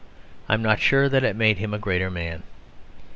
I am not sure that it made him a greater man.